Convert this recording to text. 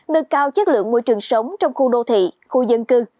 nâng cao chất lượng môi trường sống trong khu đô thị khu dân cư